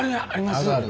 あるある。